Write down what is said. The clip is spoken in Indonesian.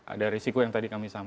ada risiko yang tadi kami sampaikan